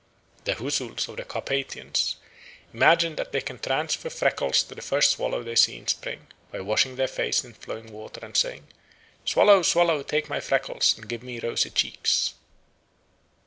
The Huzuls of the Carpathians imagine that they can transfer freckles to the first swallow they see in spring by washing their face in flowing water and saying, "Swallow, swallow, take my freckles, and give me rosy cheeks."